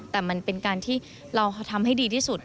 แต่มันเป็นการที่เราทำให้ดีที่สุด